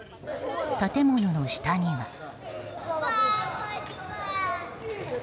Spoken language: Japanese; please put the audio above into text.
建物の下には。